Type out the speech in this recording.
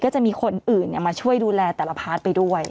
จะมีคนอื่นมาช่วยดูแลแต่ละพาร์ทไปด้วย